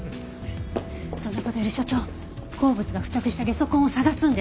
そんな事より所長鉱物が付着したゲソ痕を捜すんです。